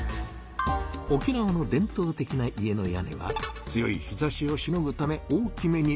沖縄の伝とう的な家の屋根は強い日ざしをしのぐため大きめに。